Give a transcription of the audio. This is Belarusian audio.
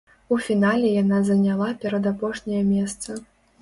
У фінале яна заняла перадапошняе месца.